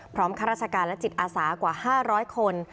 พร้อมข้าราชการและจิตอาศากว่าห้าร้อยคน